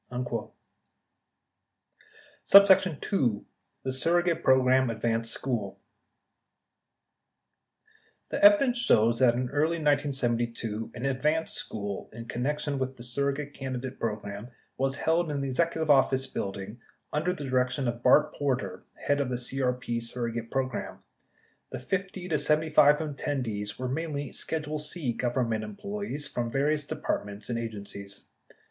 59 * 2. THE SURROGATE PROGRAM ADVANCE SCHOOL The evidence shows that in early January 1972, an "advance school" in connection with the surrogate candidate program was held in the Executive Office Building under the direction of Bart Porter, head of the CRP surrogate program. The 50 75 attendees were mainly "Sched ule C" Government employees from various departments and agen cies.